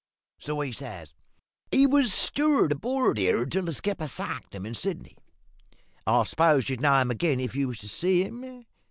So I says, `He was steward aboard here until the skipper sacked him in Sydney.' "`I s'pose you'd know him again if you was to see him?'